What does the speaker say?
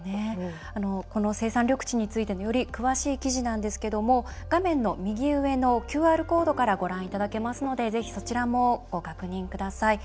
この生産緑地についてのより詳しい記事なんですけども画面の右上のＱＲコードからご覧いただけますのでぜひ、そちらもご確認ください。